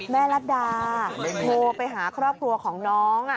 รัฐดาโทรไปหาครอบครัวของน้อง